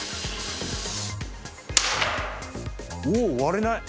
おお、割れない。